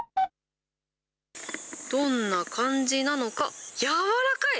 どんな感じなのか、柔らかい。